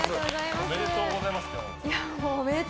おめでとうございますって？